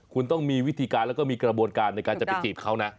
คุณต้องมีวิธีการแล้วก็มีกระบวนการในการจะไปจีบเขานะ